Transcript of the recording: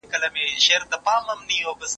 کېدای سي مرسته ناکامه وي!؟